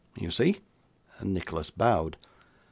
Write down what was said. You see?' Nicholas bowed.